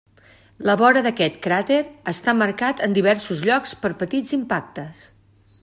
La vora d'aquest cràter està marcat en diversos llocs per petits impactes.